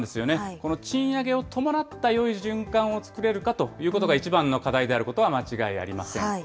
この賃上げを伴ったよい循環を作れるかということが、一番の課題であることは間違いありません。